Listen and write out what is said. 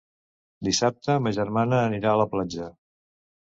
Dissabte ma germana anirà a la platja.